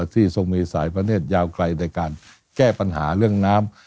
ทรงมีสายประเทศยาวไกลในการแก้ปัญหาเรื่องน้ำ